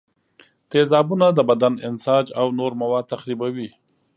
تیزابونه د بدن انساج او نور مواد تخریبوي.